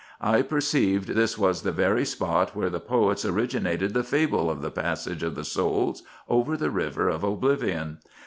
I per ceived this was the very spot where the poets originated the fable of the passage of the souls over the river of Oblivion.